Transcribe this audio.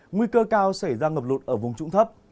nguy cơ cao xảy ra ngập lụt ở vùng trụng thấp